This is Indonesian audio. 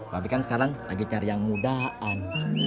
tapi kan sekarang lagi cari yang mudahan